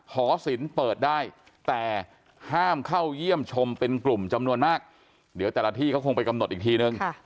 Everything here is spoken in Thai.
หอศิลป์เปิดได้แต่ห้ามเข้าเยี่ยมชมเป็นกลุ่มจำนวนมากเดี๋ยวแต่ละที่เขาคงไปกำหนดอีกทีนึง